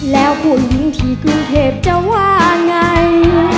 แล้วผู้หญิงที่กรุงเทพจะว่าไง